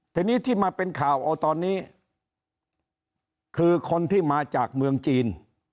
ทีนี้ที่มาเป็นข่าวเอาตอนนี้คือคนที่มาจากเมืองจีน